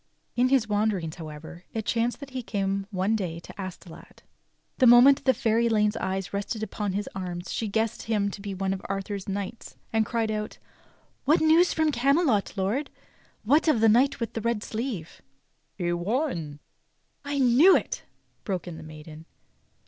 In his wanderings, however, it chanced that he came one day to Astolat. The moment the fair Elaine's eyes rested upon his arms she guessed him to be one of Arthur's knights and cried out: "What news from Camelot, lord.^ What of the knight with the red sleeve.^" "He won —" "I knew it!" broke in the maiden.